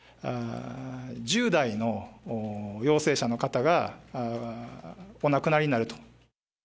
１０代の陽性者の方が、お亡くなりになると。